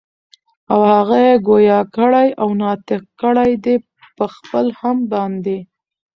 او هغه ئي ګویا کړي او ناطق کړي دي پخپل حَمد باندي